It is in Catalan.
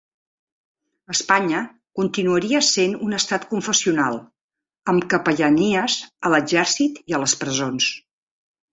Espanya continuaria sent un estat confessional, amb capellanies a l'exèrcit i a les presons.